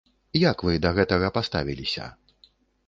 Як вы да гэтага паставіліся?